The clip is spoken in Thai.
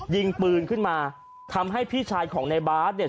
ยิงปืนขึ้นมาทำให้พี่ชายของในบาสเนี่ย